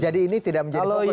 jadi ini tidak menjadi fokus ya